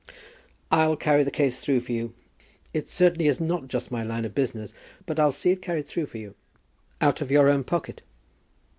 "I'll carry the case through for you. It certainly is not just my line of business, but I'll see it carried through for you." "Out of your own pocket?"